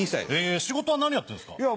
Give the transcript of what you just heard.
仕事は何やってるんですか？